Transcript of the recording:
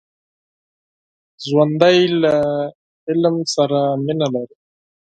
ژوندي له علم سره مینه لري